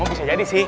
oh bisa jadi sih